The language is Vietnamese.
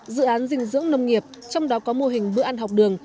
dự án dinh dưỡng nông nghiệp trong đó có mô hình bữa ăn học đường